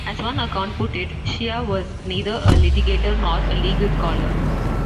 As one account put it: Shea was neither a litigator nor a legal scholar.